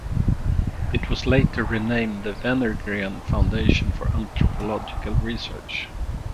It was later renamed the Wenner-Gren Foundation for Anthropological Research.